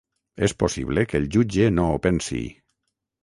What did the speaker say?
És possible que el jutge no ho pensi.